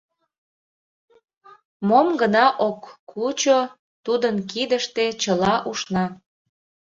Мом гына ок кучо, тудын кидыште чыла ушна.